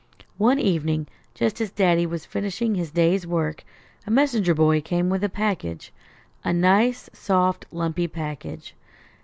One evening, just as Daddy was finishing his day's work, a messenger boy came with a package; a nice, soft lumpy package.